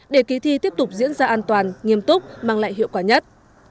để kỳ thi tiếp tục diễn ra an toàn nghiêm túc mang lại hiệu quả nhất